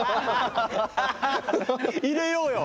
入れようよ！